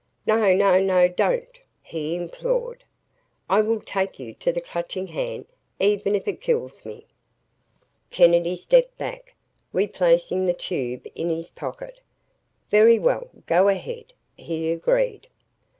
"No no no don't," he implored. "I will take you to the Clutching Hand even if it kills me!" Kennedy stepped back, replacing the tube in his pocket. "Very well, go ahead!" he agreed.